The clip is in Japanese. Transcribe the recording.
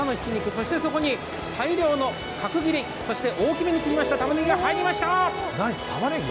そしてそこに大量の角切り、そして大きめに切りましたたまねぎが入りました！